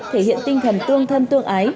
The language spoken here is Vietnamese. thể hiện tinh thần tương thân tương ái